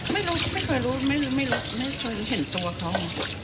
ไม่รู้ไม่เคยรู้ไม่รู้ไม่เคยเห็นตัวเขา